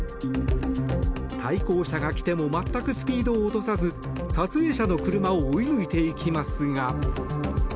対向車が来ても全くスピードを落とさず撮影者の車を追い抜いていきますが。